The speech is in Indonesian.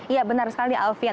ya benar sekali alfian